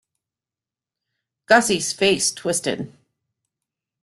Gussie's face twisted.